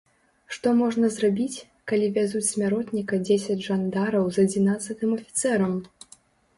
Што можна зрабіць, калі вязуць смяротніка дзесяць жандараў з адзінаццатым афіцэрам?